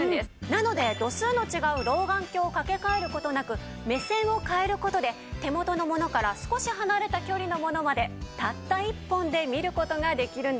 なので度数の違う老眼鏡をかけ替える事なく目線を変える事で手元のものから少し離れた距離のものまでたった１本で見る事ができるんです。